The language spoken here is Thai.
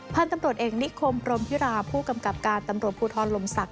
พันธุ์ตำรวจเอกนิคมพรมพิราผู้กำกับการตำรวจภูทรลมศักด